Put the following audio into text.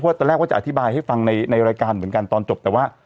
เพราะว่าตอนแรกก็จะอธิบายให้ฟังในในรายการเหมือนกันตอนจบแต่ว่า